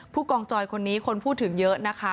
ผู้กองจอยคนนี้คนพูดถึงเยอะนะคะ